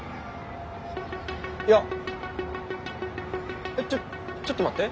いやちょちょっと待って。